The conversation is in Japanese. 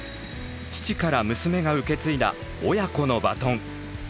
父から娘が受け継いだ親子のバトン。